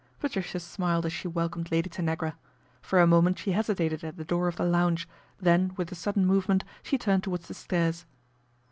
Patricia smiled as she welcomed Lady Tanagra. For a moment she hesitated at the door of the lounge, then with a sudden movement she turned towards the stairs.